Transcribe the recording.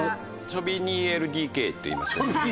『チョビ２ＬＤＫ』といいまして。